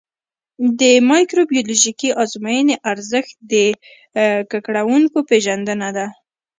د مایکروبیولوژیکي ازموینې ارزښت د ککړونکو پېژندنه ده.